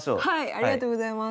ありがとうございます。